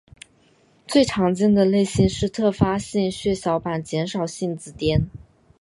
最常见的类型是特发性血小板减少性紫癜。